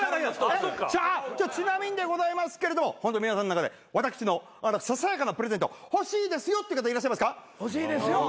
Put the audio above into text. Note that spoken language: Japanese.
ちなみにでございますけれども皆さんの中で私のささやかなプレゼント欲しいですよって方いらっしゃいますか？